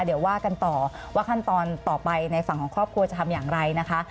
เดี๋ยวว่ากันต่อว่าขั้นตอนต่อไปในฝั่งของครอบครัวจะทำอย่างไรนะคะ